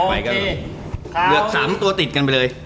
ติดลูก๓ตัวติดกันไปเลย